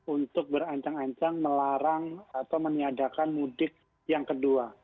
untuk berancang ancang melarang atau meniadakan mudik yang kedua